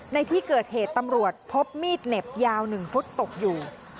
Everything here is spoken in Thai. ในที่เกิดเหตุตำรวจพบมีดเหน็บยาว๑ฟุตตกอยู่